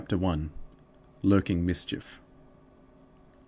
LURKING MISCHIEF.